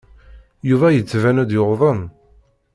Yuba yettban-d yuḍen.